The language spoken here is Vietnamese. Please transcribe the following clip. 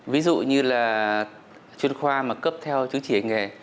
ví dụ như là chuyên khoa mà cấp theo chứng chỉ nghề